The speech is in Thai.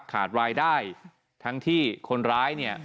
ขาดรายได้ทั้งที่คนร้ายเนี่ย